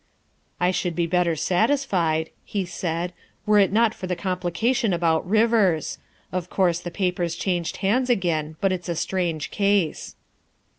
" I should be better satisfied," he said, " were it not for the complication about Rivers. Of course, the papers changed hands again, but it 's a strange case.